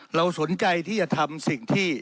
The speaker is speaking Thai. เราสนใจที่จะทำสิ่งที่